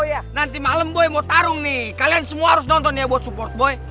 oh iya nanti malam boy mau tarung nih kalian semua harus nonton ya buat support boy